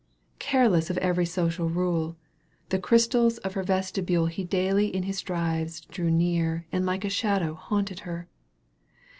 Careless of every social rule, The crystals of her vestibule He daily in his drives drew near And like a shadow haunted her.